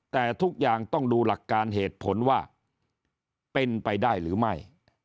แต่ทุกอย่างต้องดูหลักการเหตุผลว่าเป็นไปได้หรือไม่